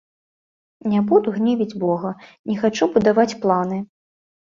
Не буду гневіць бога, не хачу будаваць планы.